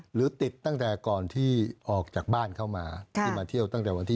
หรือติดตั้งแต่ก่อนที่ออกจากบ้านเข้ามาที่มาเที่ยวตั้งแต่วันที่๑